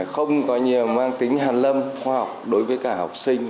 không có nhiều mang tính hàn lâm khoa học đối với cả học sinh